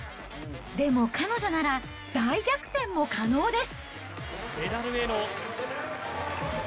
でも彼女なら大逆転も可能です。